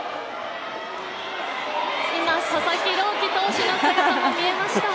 今、佐々木朗希投手の姿も見えました。